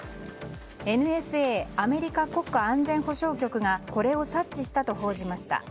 ＮＳＡ・アメリカ国家安全保障局がこれを察知したと報じました。